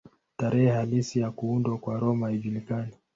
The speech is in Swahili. Tarehe halisi ya kuundwa kwa Roma haijulikani.